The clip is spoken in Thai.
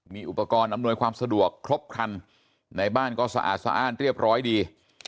มีอุปกรณ์อำนวยความสะดวกครบครันในบ้านก็สะอาดสะอ้านเรียบร้อยดี